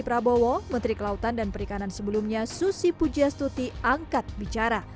prabowo menteri kelautan dan perikanan sebelumnya susi pujastuti angkat bicara